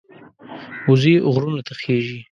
وزې غرونو ته خېژي